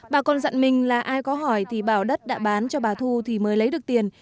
bà con dặn mình là ai có hỏi thì bảo đất đã bán cho bà thu thì mới lấy được tiền